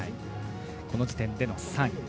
この時点での３位。